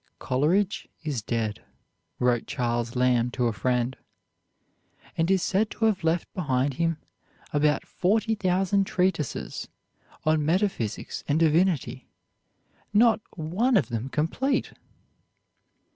"Coleridge is dead," wrote Charles Lamb to a friend, "and is said to have left behind him above forty thousand treatises on metaphysics and divinity not one of them complete!"